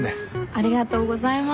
ありがとうございます。